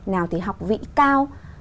nào thì học vị cao